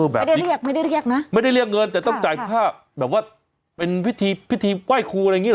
ไม่ได้เรียกนะไม่ได้เรียกเงินแต่ต้องจ่ายค่าแบบว่าเป็นพิธีไหว้ครูอะไรอย่างนี้เหรอ